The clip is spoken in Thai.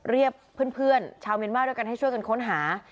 เรียกเพื่อนชาวเมียนมาร์ด้วยกันให้ช่วยกันค้นหา